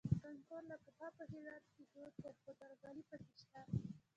کانکور له پخوا په هېواد کې دود دی خو درغلۍ پکې شته